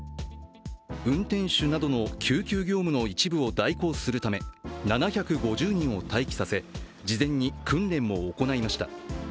運転手などの救急業務の一部を代行するため７５０人を待機させ、事前に訓練も行いました。